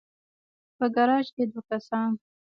په ګراج کې دوه کسان